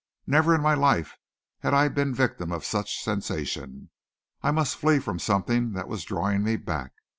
Never in my life had I been victim of such sensation. I must flee from something that was drawing me back.